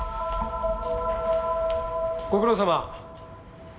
ご苦労さま。